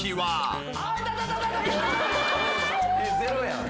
ゼロやん。